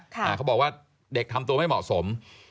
เขาบอกว่าเด็กทำตัวไม่เหมาะสม